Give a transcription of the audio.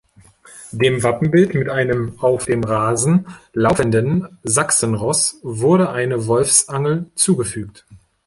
Dem Wappenbild mit einem auf dem Rasen laufenden Sachsenross wurde eine Wolfsangel zugefügt.